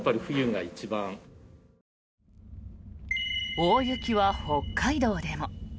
大雪は北海道でも。